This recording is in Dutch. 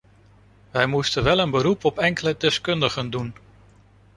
Wij moesten wel een beroep op enkele deskundigen doen.